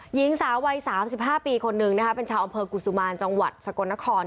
หญิงสาววัย๓๕ปีคนนึงนะคะเป็นชาวอำเภอกุศุมารจังหวัดสกลนคร